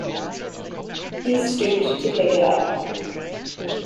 He stooped to pick it up.